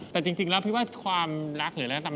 แต่จริงแล้วพี่ว่าความรักเหนือแล้วนะครับ